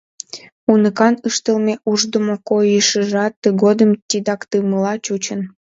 Уныкан ыштылме ушдымо койышыжат тыгодым титакдымыла чучын.